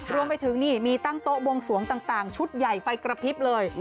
รวมไปถึงนี่มีตั้งโต๊ะบวงสวงต่างชุดใหญ่ไฟกระพริบเลย